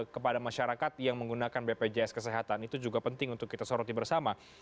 kepada masyarakat yang menggunakan bpjs kesehatan itu juga penting untuk kita soroti bersama